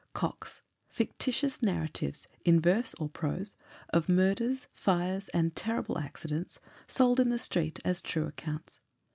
"COCKS fictitious narratives, in verse or prose, of murders, fires, and terrible accidents, sold in the streets as true accounts.